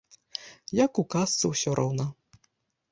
Як у казцы ўсё роўна.